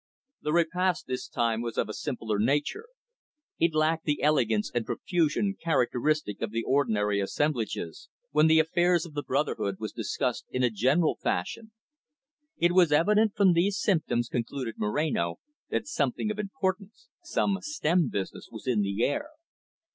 The repast this time was of a much simpler nature. It lacked the elegance and profusion characteristic of the ordinary assemblages, when the affairs of the brotherhood was discussed in a general fashion. It was evident from these symptoms, concluded Moreno, that something of importance, some stern business was in the air.